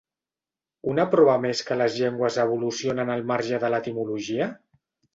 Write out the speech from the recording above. ¿Una prova més que les llengües evolucionen al marge de l'etimologia?